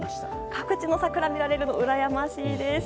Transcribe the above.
各地の桜を見られるの羨ましいです。